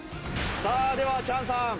さあではチャンさん。